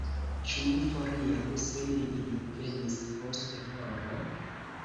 Ĉu mi foriru se neniu venis post horo?